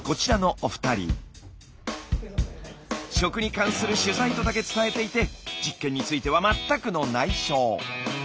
食に関する取材とだけ伝えていて実験については全くのないしょ。